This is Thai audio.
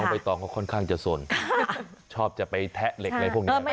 ใบตองเขาค่อนข้างจะสนชอบจะไปแทะเหล็กอะไรพวกนี้